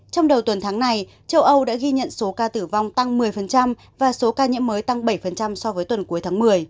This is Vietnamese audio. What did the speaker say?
trong đầu tuần tháng này châu âu đã ghi nhận số ca tử vong tăng một mươi và số ca nhiễm mới tăng bảy so với tuần cuối tháng một mươi